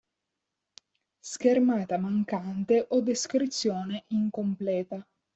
Schermata mancante o descrizione incompleta.